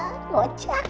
sikapnya jadi aneh gini